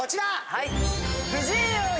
はい。